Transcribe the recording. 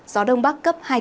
gió đông bắc cấp hai cấp ba